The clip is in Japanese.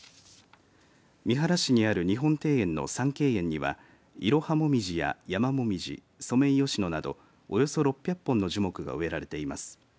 三原市にある日本庭園の三景園にはイロハモミジやヤマモミジソメイヨシノなどおよそ６００本の樹木が植えられています。